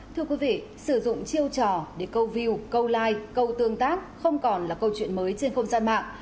thưa quý vị sử dụng chiêu trò để câu view câu like câu tương tác không còn là câu chuyện mới trên không gian mạng